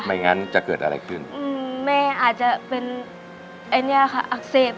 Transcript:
อย่างนั้นจะเกิดอะไรขึ้นอืมแม่อาจจะเป็นไอ้เนี้ยค่ะอักเสบ